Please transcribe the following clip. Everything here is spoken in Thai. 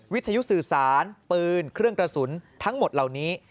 วิทยุสื่อสารปืนเครื่องกระสุนทั้งหมดเหล่านี้